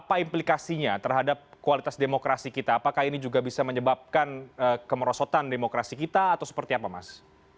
apa implikasinya terhadap kualitas demokrasi kita apakah ini juga bisa menyebabkan kemerosotan demokrasi kita atau seperti apa mas